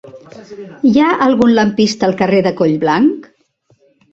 Hi ha algun lampista al carrer de Collblanc?